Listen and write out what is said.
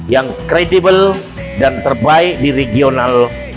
yang kredibel dan terbaik di regional